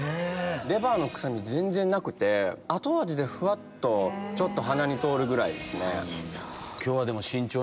レバーの臭み全然なくて後味でふわっとちょっと鼻に通るぐらいですね。